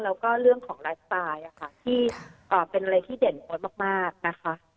แล้วก็เรื่องของไลฟ์สไตล์ที่เป็นอะไรที่เด่นโอ๊ตมากนะคะ